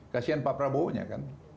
kasian pak prabowo nya kan